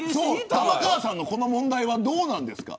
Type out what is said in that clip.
玉川さんのこの問題はどうなんですか。